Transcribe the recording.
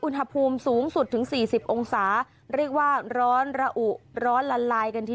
อุณหภูมิสูงสุดถึงสี่สิบองศาเรียกว่าร้อนระอุร้อนละลายกันที